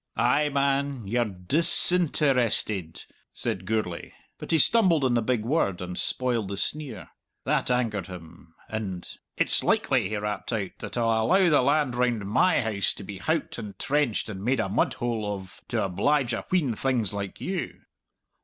"Ay, man! You're dis in ter ested!" said Gourlay, but he stumbled on the big word and spoiled the sneer. That angered him, and, "It's likely," he rapped out, "that I'll allow the land round my house to be howked and trenched and made a mudhole of to oblige a wheen things like you!"